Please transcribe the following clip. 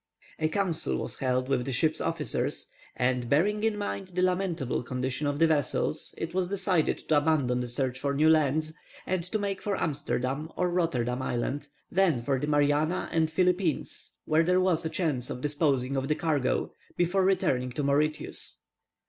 A council was held with the ship's officers, and, bearing in mind the lamentable condition of the vessels, it was decided to abandon the search for new lands, and to make for Amsterdam or Rotterdam Island, then for the Mariana and Philippines, where there was a chance of disposing of the cargo, before returning to Mauritius.